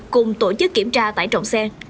cùng tổ chức kiểm tra tải trọng xe